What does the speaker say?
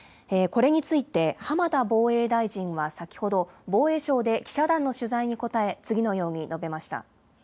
これについて、浜田防衛大臣は先ほど、防衛省で記者団の取材に答え、次のように述べました。